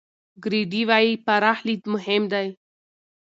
ګرېډي وايي، پراخ لید مهم دی.